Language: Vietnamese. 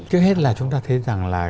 trước hết là chúng ta thấy rằng là